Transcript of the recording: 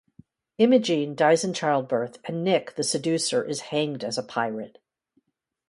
Imogene dies in childbirth and Nick, the seducer, is hanged as a pirate.